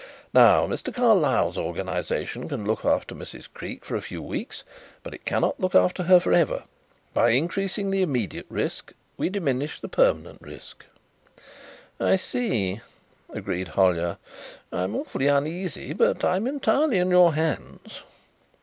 Now Mr. Carlyle's organization can look after Mrs. Creake for a few weeks, but it cannot look after her for ever. By increasing the immediate risk we diminish the permanent risk." "I see," agreed Hollyer. "I'm awfully uneasy but I'm entirely in your hands."